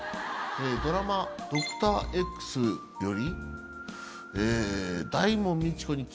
ドラマ『ドクターＸ』より。